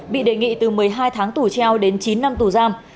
bị đề nghị từ một mươi hai tháng tù treo đến chín năm tù giam